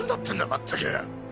まったく。